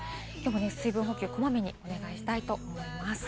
水分補給をこまめにお願いしたいと思います。